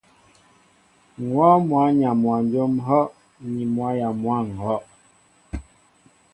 M̀ wɔ́ɔ́ŋ mwǎyaŋ mwanjóm ŋ̀hɔ́' ni mwǎyaŋ mwǎ ŋ̀hɔ́.